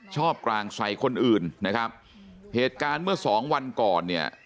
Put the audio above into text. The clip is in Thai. กลางใส่คนอื่นนะครับเหตุการณ์เมื่อสองวันก่อนเนี่ย